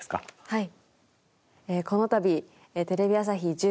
はい。